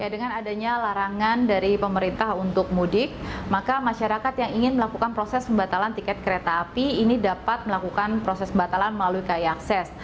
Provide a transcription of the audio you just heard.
dengan adanya larangan dari pemerintah untuk mudik maka masyarakat yang ingin melakukan proses pembatalan tiket kereta api ini dapat melakukan proses pembatalan melalui kai akses